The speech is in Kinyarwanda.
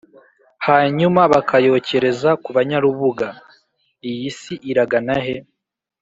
hanyuma bakayokereza kubanyarubuga. Iyi si iragana he?